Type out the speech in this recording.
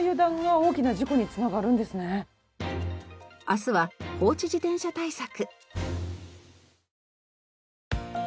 明日は放置自転車対策。